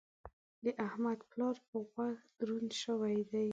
د احمد پلار په غوږو دروند شوی دی.